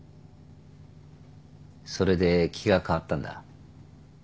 それで気が変わったんだ。